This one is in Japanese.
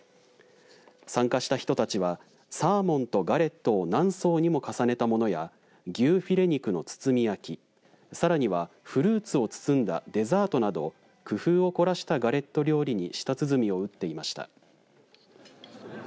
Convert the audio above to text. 参加した人たちはサーモンとガレットを何層にも重ねたものや牛フィレ肉の包み焼きさらにはフルーツを包んだデザートなど工夫を凝らしたガレット料理に舌鼓を打っていました。